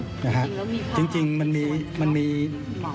มีความรู้สึกว่ามีความรู้สึกว่า